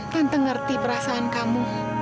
tante ngerti perasaan kamu